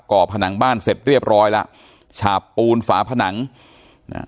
่อผนังบ้านเสร็จเรียบร้อยแล้วฉาบปูนฝาผนังอ่า